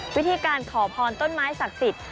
วิธีการขอพรต้นไม้ศักดิ์สิทธิ์